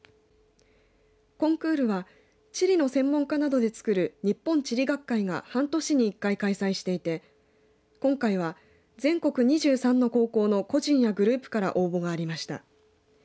コンクールは地理の専門家などでつくる日本地理学会が半年に１回、開催していて今回は全国２３の高校の個人やグループから応募がありました。